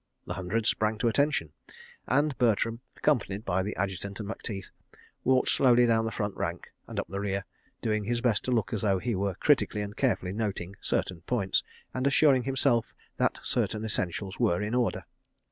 The Hundred sprang to attention, and Bertram, accompanied by the Adjutant and Macteith, walked slowly down the front rank and up the rear, doing his best to look as though he were critically and carefully noting certain points, and assuring himself that certain essentials were in order.